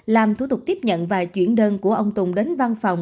làm thủ tục tiếp nhận và chuyển đơn của ông tùng đến văn phòng